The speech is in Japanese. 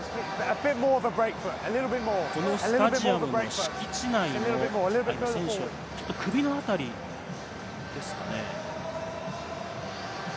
このスタジアムの敷地内の、今、選手が首の辺りですね。